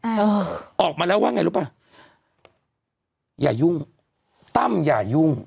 เออออกมาแล้วว่าไงรู้ป่ะอย่ายุ่งตั้มอย่ายุ่ง